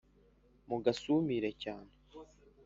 mugasumire cyane